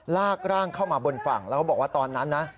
ลากร่างเข้ามาบนฝั่งแล้วเขาบอกว่าตอนนั้นนะ